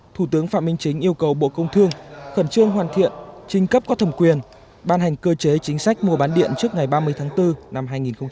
thủ tướng phạm minh chính yêu cầu bộ công thương khẩn trương hoàn thiện trinh cấp có thẩm quyền ban hành cơ chế chính sách mua bán điện trước ngày ba mươi tháng bốn năm hai nghìn hai mươi